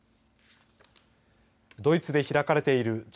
ドイツで開かれているＧ７